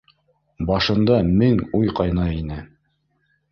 Башында мең уй ҡайнай ине.